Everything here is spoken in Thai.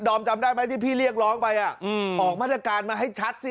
จำได้ไหมที่พี่เรียกร้องไปออกมาตรการมาให้ชัดสิ